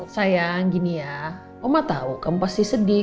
sayang gini ya oma tahu kamu pasti sedih